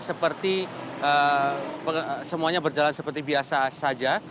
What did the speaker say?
seperti semuanya berjalan seperti biasa saja